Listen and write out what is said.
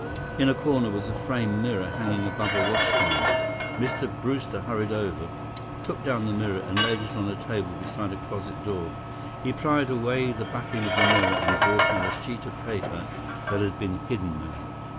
In a corner was a framed mirror hanging above a washstand. Mr. Brewster hurried over, took down the mirror, and laid it on a table beside a closet door. He pried away the backing of the mirror and brought out a sheet of paper that had been hidden there.